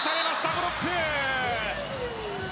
ブロック。